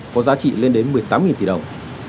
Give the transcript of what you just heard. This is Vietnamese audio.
có giá trị lên đến một mươi tám tỷ đồng